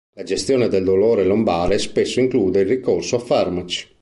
La gestione del dolore lombare spesso include il ricorso a farmaci.